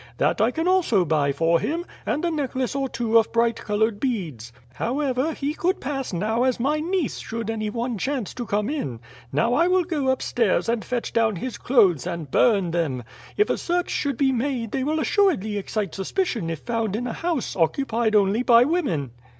That I can also buy for him, and a necklace or two of bright coloured beads. However, he could pass now as my niece should any one chance to come in. Now I will go upstairs and fetch down his clothes and burn them. If a search should be made they will assuredly excite suspicion if found in a house occupied only by women."